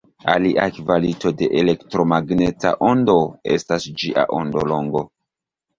Alia kvalito de elektromagneta ondo estas ĝia ondolongo.